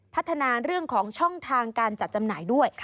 พัฒนาเรื่องของช่องทางการจัดจำหน่ายด้วย